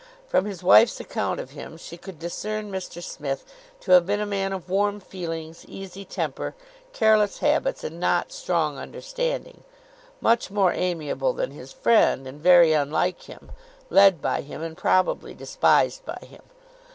From his wife's account of him she could discern Mr Smith to have been a man of warm feelings, easy temper, careless habits, and not strong understanding, much more amiable than his friend, and very unlike him, led by him, and probably despised by him.